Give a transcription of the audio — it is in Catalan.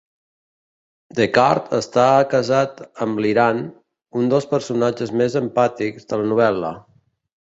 Deckard està casat amb l'Iran, un dels personatges més empàtics de la novel·la.